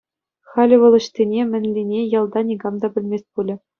Халӗ вӑл ӑҫтине, мӗнлине ялта никам та пӗлмест пулӗ.